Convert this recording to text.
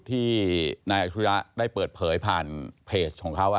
ที่นายอัจฉริยะได้เปิดเผยผ่านเพจของเขา